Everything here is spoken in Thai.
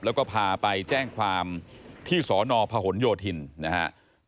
แล้วก็พาไปแจ้งความที่สนพหนโยธินนะครับ